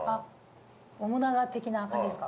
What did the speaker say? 面長的な感じですか。